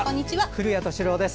古谷敏郎です。